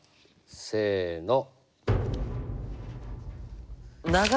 せの。